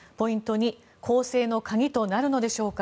２攻勢の鍵となるのでしょうか。